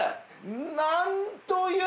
なんという。